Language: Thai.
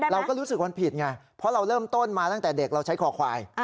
เราก็รู้สึกมันผิดไงเพราะเราเริ่มต้นมาตั้งแต่เด็กเราใช้คอควาย